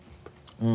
うん。